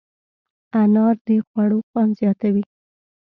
انار د خوړو خوند زیاتوي.